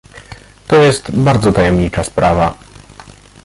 "To jest bardzo tajemnicza sprawa."